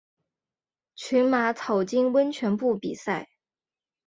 群马草津温泉部比赛。